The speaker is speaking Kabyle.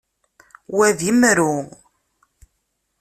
Wa d imru.